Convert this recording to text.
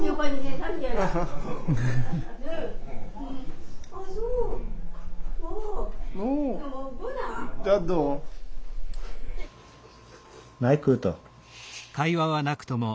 何食うと？